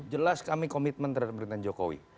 jelas kami komitmen terhadap pemerintahan jokowi